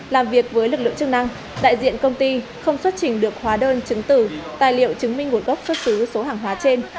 làm việc với lực lượng chức năng đại diện công ty không xuất trình được hóa đơn chứng tử tài liệu chứng minh nguồn gốc xuất xứ số hàng hóa trên